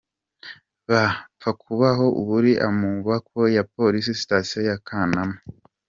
Bapfakubaho ubu ari mu maboko ya Polisi Sitasiyo ya Kanama.